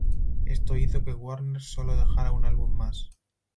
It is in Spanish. Esto hizo que Warner solo dejara un álbum más.